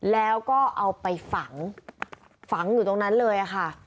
แล้วก็เอาไปฝังฝังอยู่ตรงนั้นเลยค่ะ